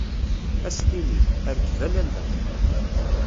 Ad as-tini: Rkeb a Lalla.